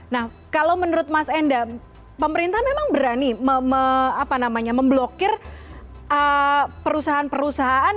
nah kalau menurut mas enda pemerintah memang berani memblokir perusahaan perusahaan